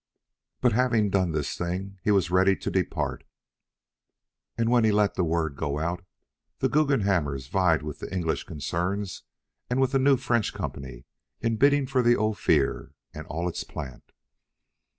But having done the thing, he was ready to depart. And when he let the word go out, the Guggenhammers vied with the English concerns and with a new French company in bidding for Ophir and all its plant.